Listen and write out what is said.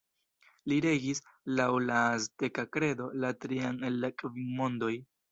Li regis, laŭ la azteka kredo, la trian el la kvin mondoj.